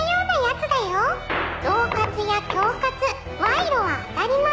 「恫喝や恐喝賄賂は当たり前」